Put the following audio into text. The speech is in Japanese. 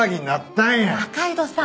仲井戸さん！